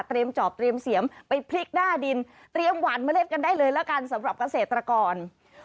จอบเตรียมเสียมไปพลิกหน้าดินเตรียมหวานเมล็ดกันได้เลยละกันสำหรับเกษตรกร